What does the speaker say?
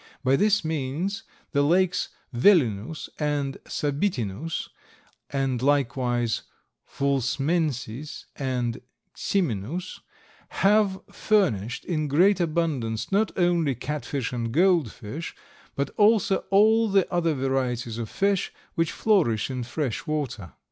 By this means the lakes Velinus and Sabitinus, and likewise Vulsmensis and Ciminus have furnished in great abundance not only catfish and goldfish, but also all the other varieties of fish which flourish in fresh water."